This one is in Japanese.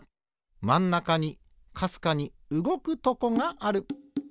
まんなかにかすかにうごくとこがある。